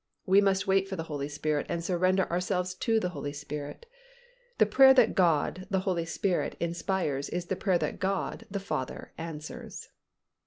We must wait for the Holy Spirit and surrender ourselves to the Holy Spirit. The prayer that God, the Holy Spirit, inspires is the prayer that God, the Father, answers.